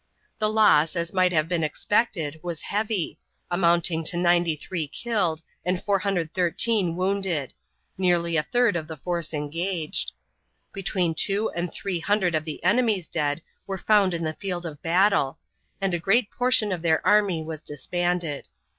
The loss, as might have been expected, was heavy, amounting to 93 killed and 413 wounded nearly a third of the force engaged. Between two and three hundred of the enemy's dead were found on the field of battle, and a great portion of their army was disbanded.